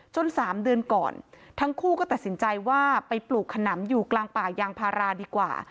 ๓เดือนก่อนทั้งคู่ก็ตัดสินใจว่าไปปลูกขนำอยู่กลางป่ายางพาราดีกว่า